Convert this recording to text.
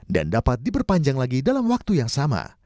dan dapat diperpanjang lagi dalam waktu yang sama